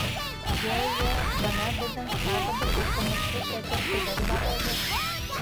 — Йә, йә, бына беҙҙең тағы бер уҡымышлы шәкертебеҙ бар әле.